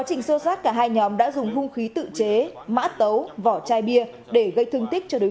trình sâu sát cả hai nhóm đã dùng hung khí tự chế mã tấu vỏ chai bia để gây thương tích cho đối